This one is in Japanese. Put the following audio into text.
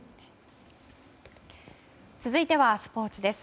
続いてはスポーツです。